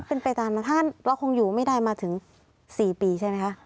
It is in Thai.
เป็นไปตามนะถ้าเราคงอยู่ไม่ได้มาถึง๔ปีใช่ไหมคะ